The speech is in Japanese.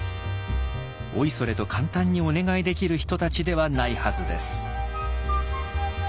おいそれと簡単にお願いできる人たちではないはずです。